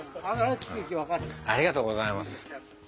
ありがとうございます。